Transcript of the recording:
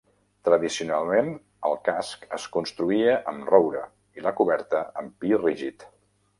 Tradicionalment, el casc es construïa amb roure i la coberta amb pi rígid.